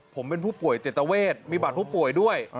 ผมเป็นผู้ป่วยจิตเวทมีบัตรผู้ป่วยด้วย